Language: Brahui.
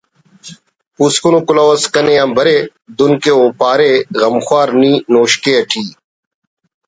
پوسکن ءُ کلہو اس کنے آ برے دُن کہ او پارے ”غمخوار نی نوشکے ٹی